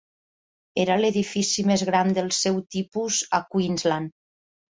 Era l'edifici més gran del seu tipus a Queensland.